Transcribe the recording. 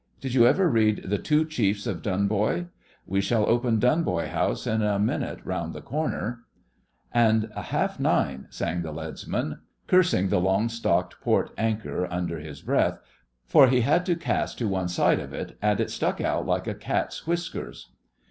Did you ever read "The Two Chiefs of Dunboy?" We shall open Dunboy House in a minute round the corner.' 'And a half nine!' sang the leadsman, cursing the long stocked port anchor under his breath, for he had to cast to one side of it and it stuck out like a cat's whiskers.